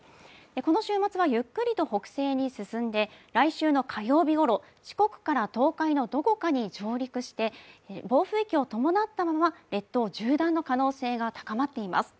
この週末はゆっくりと北西に進んで来週の水曜日ごろ四国から東海のどこかに上陸して暴風域を伴ったまま列島を縦断の可能性が高まっています。